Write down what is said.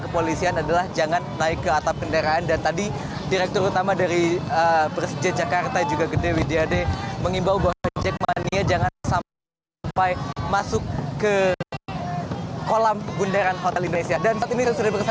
pada hari ini saya akan menunjukkan kepada anda